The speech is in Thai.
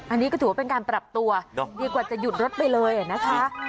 อันนี้ก็ถือว่าเป็นการปรับตัวดีกว่าจะหยุดรถไปเลยนะคะ